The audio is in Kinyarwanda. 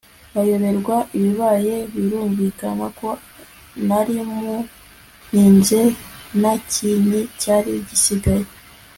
bayoberwa ibibaye. birumvikana ko nari muntinze nakinti cyari gisigaye